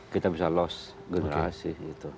kita bisa lost generasi